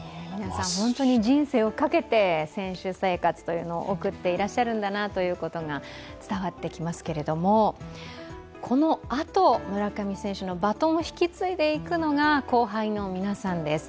人生をかけて選手生活を送っていらっしゃるんだなというのが伝わってきますけれどもこのあと、村上選手のバトンを引き継いでいくのが後輩の皆さんです。